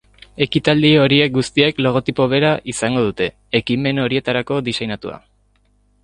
Ekitaldi horiek guztiek logotipo bera izango dute, ekimen horietarako diseinatua.